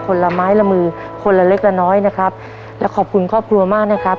ละไม้ละมือคนละเล็กละน้อยนะครับและขอบคุณครอบครัวมากนะครับ